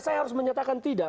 saya harus menyatakan tidak